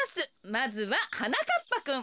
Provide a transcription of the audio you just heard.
まずははなかっぱくん。